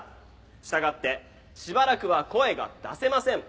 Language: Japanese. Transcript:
従ってしばらくは声が出せません。